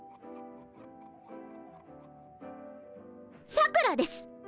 さくらです！